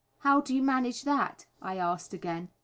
"How do you manage that?" I asked again.